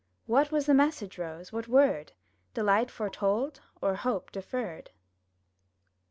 What was the message, Rose, what word: Delight foretold, or hope deferred?